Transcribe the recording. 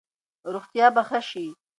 روغتیا به ښه شي.